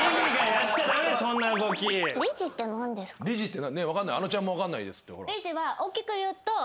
あのちゃんも分かんないですって。